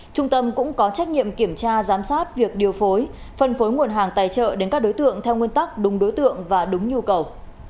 trung tâm cũng có trách nhiệm kiểm tra giám sát việc điều phối phân phối nguồn hàng tài trợ đến các đối tượng theo nguyên tắc đúng đối tượng và đúng nhu cầu